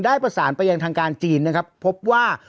ได้ประสานไปยังทางการจีนนะครับพบว่า